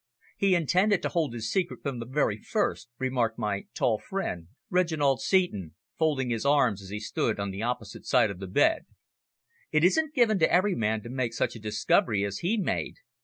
"He intended to hold his secret from the very first," remarked my tall friend, Reginald Seton, folding his arms as he stood on the opposite side of the bed. "It isn't given to every man to make such a discovery as he made.